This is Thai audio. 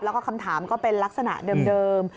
แล้วก็คำถามก็เป็นลักษณะเดิม